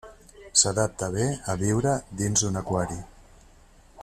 S'adapta bé a viure dins d'un aquari.